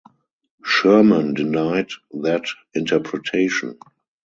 Sherman denied that interpretation.